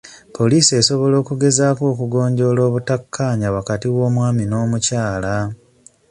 Poliisi esobola okugezaako okugonjoola obutakkaanya wakati w'omwami n'omukyala.